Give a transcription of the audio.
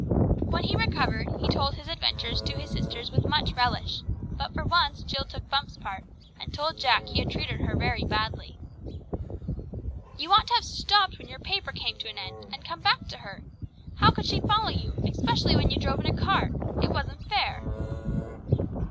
When he recovered, he told his adventures to his sisters with much relish; but for once Jill took Bumps' part, and told Jack he had treated her very badly. "You ought to have stopped when your paper came to an end, and come back to her. How could she follow you, especially when you drove in a cart? It wasn't fair."